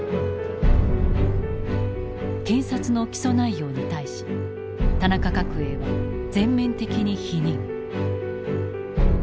検察の起訴内容に対し田中角栄は全面的に否認。